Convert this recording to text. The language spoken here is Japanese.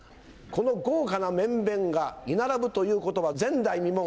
この豪華な面々が居並ぶということは前代未聞。